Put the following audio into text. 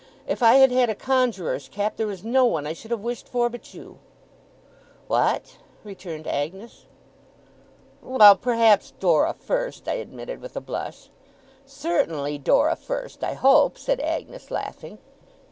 If I had had a conjuror's cap, there is no one I should have wished for but you!' 'What?' returned Agnes. 'Well! perhaps Dora first,' I admitted, with a blush. 'Certainly, Dora first, I hope,' said Agnes, laughing.